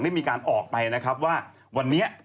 ได้มีการออกไปนะครับว่าวันนี้